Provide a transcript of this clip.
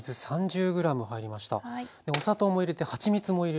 お砂糖も入れてはちみつも入れるんですね。